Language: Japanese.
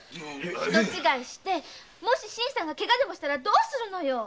人違いして新さんがケガでもしたらどうするのよ！